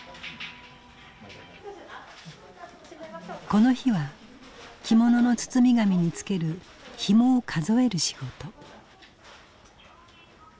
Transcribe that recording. この日は着物の包み紙に付けるひもを数える仕事。